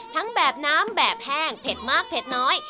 ทั้งแบบน้ำแบบแห้งเผ็ดมากเผ็ดน้อย